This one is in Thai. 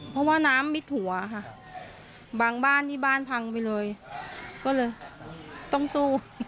เพราะว่าน้ำมิดถั่วค่ะบางบ้านนี่บ้านพังไปเลยก็เลยต้องสู้